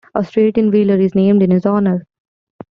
A street in Wheeler is named in his honor.